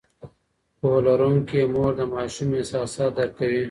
پوهه لرونکې مور د ماشوم احساسات درک کوي.